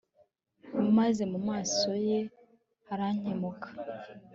maze mu maso ye harakenkemuka